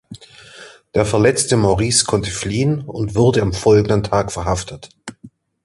Der verletzte Maurice konnte fliehen und wurde am folgenden Tag verhaftet.